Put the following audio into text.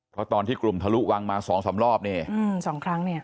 เพราะตอนที่กลุ่มทะลุวังมาสองสามรอบนี่สองครั้งเนี่ย